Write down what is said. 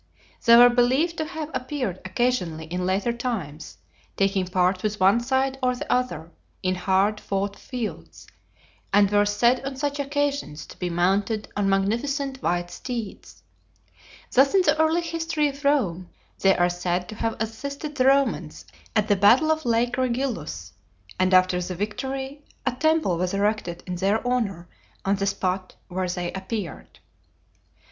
They were believed to have appeared occasionally in later times, taking part with one side or the other, in hard fought fields, and were said on such occasions to be mounted on magnificent white steeds. Thus in the early history of Rome they are said to have assisted the Romans at the battle of Lake Regillus, and after the victory a temple was erected in their honor on the spot where they appeared.